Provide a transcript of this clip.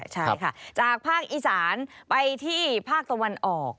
ใช่ค่ะจากภาคอีสานไปที่ภาคตะวันออก